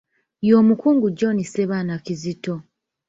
Y'omukungu John Ssebaana Kizito.